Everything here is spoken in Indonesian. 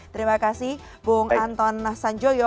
terima kasih bung anton sanjoyo